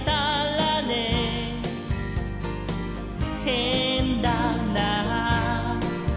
「へんだなぁ」